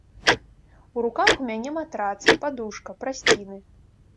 У руках у мяне матрац, падушка, прасціны.